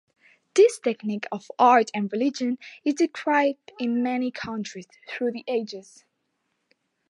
This technique of art and religion is described in many countries throughout the ages.